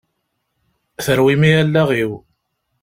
Terwim-iyi allaɣ-iw!